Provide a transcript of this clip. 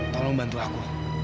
tolong bantu aku